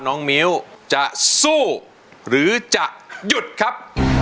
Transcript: น้องมิ้วจะสู้หรือจะหยุดครับ